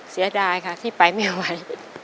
เสียดายค่ะที่ไปไม่ไหว